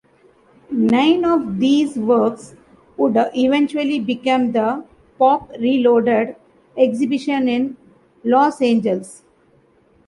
Nine of these works would eventually become the "Pop Reloaded" exhibition in Los Angeles.